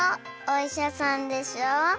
おいしゃさんでしょ